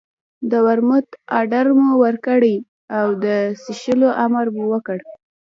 د ورموت اډر مو ورکړ او د څښلو امر مو وکړ.